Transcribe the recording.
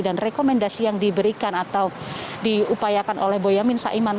dan rekomendasi yang diberikan atau diupayakan oleh bonyamin saiman